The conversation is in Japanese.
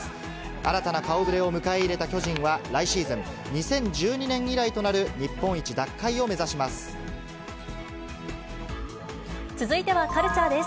新たな顔ぶれを迎え入れた巨人は来シーズン、２０１２年以来とな続いてはカルチャーです。